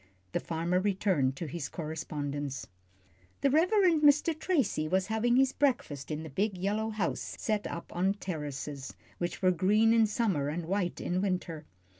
the farmer returned to his correspondence. The Reverend Mr. Tracy was having his breakfast in the big yellow house set up on terraces, which were green in summer and white in winter.